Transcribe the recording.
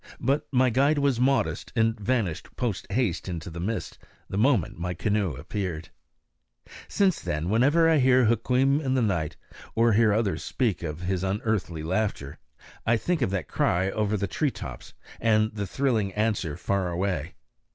But my guide was modest and vanished post haste into the mist the moment my canoe appeared. Since then, whenever I hear Hukweem in the night, or hear others speak of his unearthly laughter, I think of that cry over the tree tops, and the thrilling answer far away.